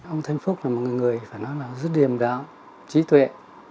ông thanh phúc là một người phải nói là rất điểm đáo trí tuệ